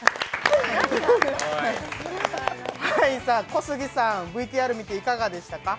小杉さんＶＴＲ見ていかがでしたか？